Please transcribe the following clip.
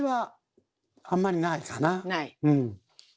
ない？